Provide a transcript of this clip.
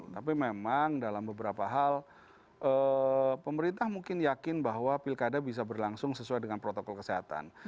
tapi memang dalam beberapa hal pemerintah mungkin yakin bahwa pilkada bisa berlangsung sesuai dengan protokol kesehatan